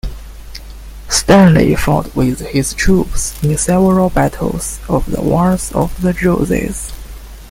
Stanley fought with his troops in several battles of the Wars of the Roses.